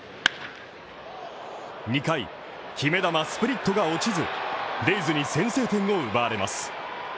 ２回、決め球スプリットが落ちずレイズに先制点を奪われます。